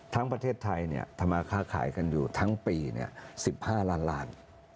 ทั้งประเทศไทยทำมาค่าขายกันอยู่ทั้งปี๑๕ล้านล้าน